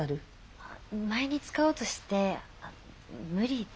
前に使おうとして無理で。